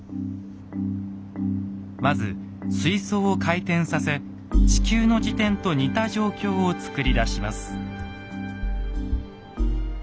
まず水槽を回転させ地球の自転と似た状況を作り出します。